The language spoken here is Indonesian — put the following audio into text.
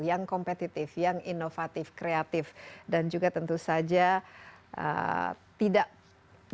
yang kompetitif yang inovatif kreatif dan juga tentu saja tidak berhasil